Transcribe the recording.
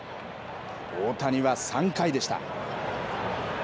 大谷は３回でした。